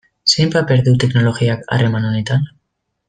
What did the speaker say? Zein paper du teknologiak harreman honetan?